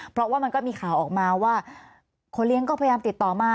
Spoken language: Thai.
เพราะว่ามันก็มีข่าวออกมาว่าคนเลี้ยงก็พยายามติดต่อมา